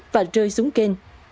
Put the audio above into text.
và rơi xuống kênh